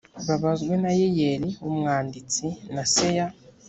babazwe na yeyeli w umwanditsi na seya